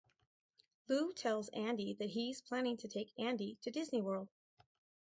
Lou tells Andy that he's planning to take Andy to Disney World.